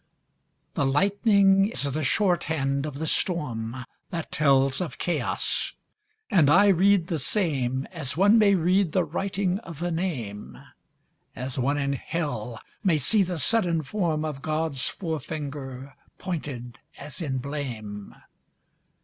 The lightning is the shorthand of the storm That tells of chaos; and I read the same As one may read the writing of a name, As one in Hell may see the sudden form Of God's fore finger pointed as in blame.